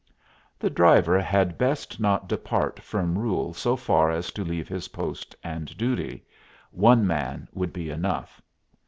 The driver had best not depart from rule so far as to leave his post and duty; one man would be enough.